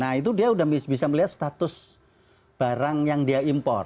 nah itu dia sudah bisa melihat status barang yang dia impor